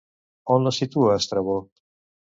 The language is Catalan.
On la situa Estrabó?